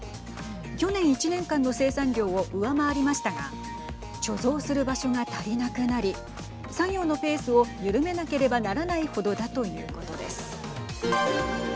去年１年間の生産量を上回りましたが貯蔵する場所が足りなくなり作業のペースを緩めなければならない程だということです。